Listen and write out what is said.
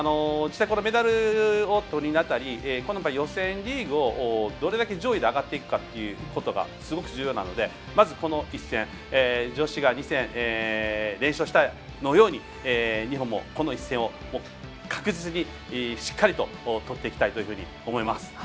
メダルをとりにいくにあたり今回予選リーグをどれだけ上位で上がっていくかっていうことがすごく重要なのでこの一戦女子が２戦連勝したように日本もこの一戦を確実にしっかりと取っていきたいなと思います。